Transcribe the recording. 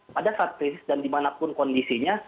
pada saat krisis dan dimanapun kondisinya